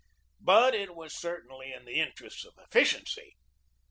But it was certainly in the interest of efficiency.